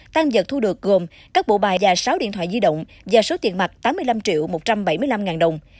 tăng vật thu được gồm các bộ bài và sáu điện thoại di động và số tiền mặt tám mươi năm triệu một trăm bảy mươi năm ngàn đồng